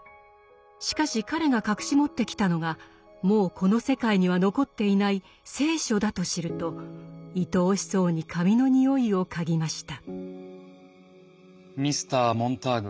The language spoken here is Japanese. しかし彼が隠し持ってきたのがもうこの世界には残っていない「聖書」だと知るといとおしそうに紙の匂いを嗅ぎました。